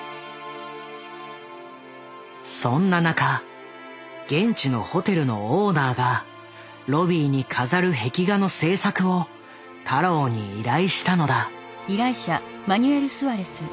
そんな中現地のホテルのオーナーがロビーに飾る壁画の制作を太郎に依頼したのだ。